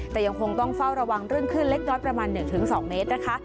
แต่ยังคงต้องเฝ้าระวังเรื่องขึ้นเล็กน้อยประมาณ๑๒เมตรนะคะ